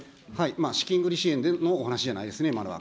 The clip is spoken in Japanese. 資金繰り支援のお話じゃないですね、今のは。